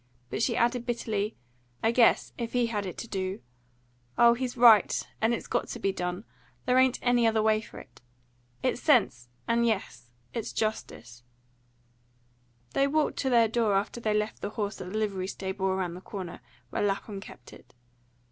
But she added bitterly, "I guess, if he had it to DO! Oh, he's right, and it's got to be done. There ain't any other way for it. It's sense; and, yes, it's justice." They walked to their door after they left the horse at the livery stable around the corner, where Lapham kept it.